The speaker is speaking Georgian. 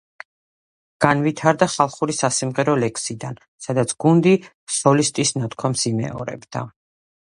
განვითარდა ხალხური სასიმღერო ლექსიდან, სადაც გუნდი სოლისტის ნათქვამს იმეორებდა.